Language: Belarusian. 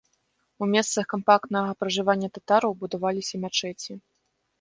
У месцах кампактнага пражывання татараў будаваліся мячэці.